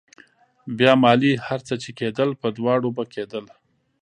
بيا مالې هر څه چې کېدل په دواړو به کېدل.